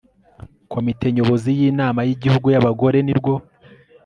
komite nyobozi y inama y igihugu y abagore nirwo